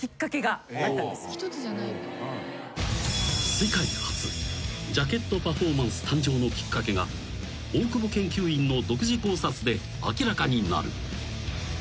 ［世界初ジャケットパフォーマンス誕生のきっかけが大久保研究員の独自考察で明らかになる］